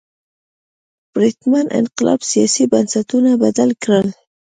پرتمین انقلاب سیاسي بنسټونه بدل کړل.